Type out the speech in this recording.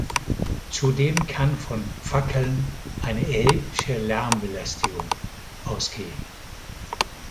Zudem kann von Fackeln eine erhebliche Lärmbelästigung ausgehen.